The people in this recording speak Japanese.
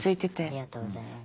ありがとうございます。